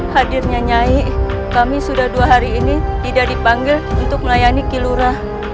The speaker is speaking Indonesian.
hadirnya nyanyi kami sudah dua hari ini tidak dipanggil untuk melayani kilora